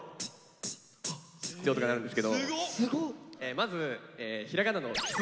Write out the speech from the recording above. まずひらがなの「つ」。